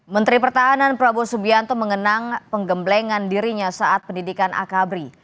menteri pertahanan prabowo subianto mengenang penggemblengan dirinya saat pendidikan akabri